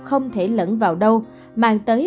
không thể lẫn vào đâu mang tới